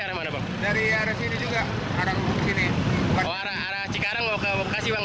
dari mana dari sini juga ada di sini orang cikarang mau ke bekasiwang